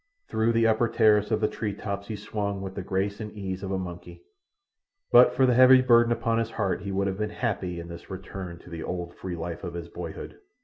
Through the upper terrace of the tree tops he swung with the grace and ease of a monkey. But for the heavy burden upon his heart he would have been happy in this return to the old free life of his boyhood.